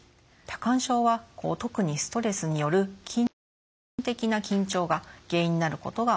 多汗症は特にストレスによる精神的な緊張が原因になることが多いです。